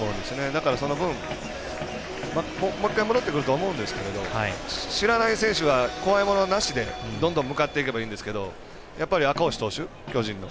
だから、その分もう一回戻ってくるとは思うんですけど知らない選手が怖いものなしでどんどん向かっていけばいいんですけど、赤星投手巨人の。